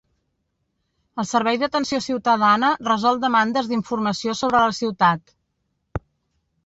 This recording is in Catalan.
El Servei d'Atenció ciutadana resol demandes d'informació sobre la ciutat.